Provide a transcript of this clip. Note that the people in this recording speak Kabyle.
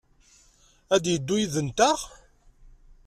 Ad d-yeddu yid-nteɣ?